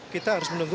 kita harus menunggu